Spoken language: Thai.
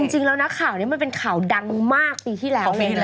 จริงแล้วนะข่าวนี้มันเป็นข่าวดังมากปีที่แล้วเลยนะ